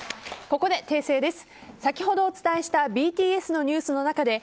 ここで訂正です。